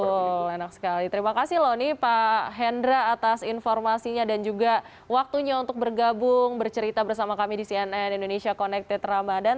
betul enak sekali terima kasih loh nih pak hendra atas informasinya dan juga waktunya untuk bergabung bercerita bersama kami di cnn indonesia connected ramadhan